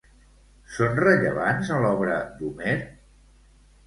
Són rellevants a l'obra d'Homer?